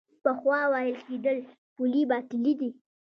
پخوا ویل کېدل پولې باطلې دي.